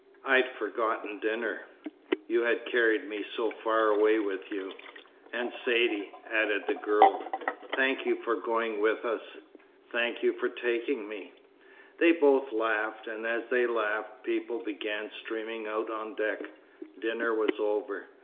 "I'd forgotten dinner. You had carried me so far away with you." "And Saidee," added the girl. "Thank you for going with us." "Thank you for taking me." They both laughed, and as they laughed, people began streaming out on deck. Dinner was over.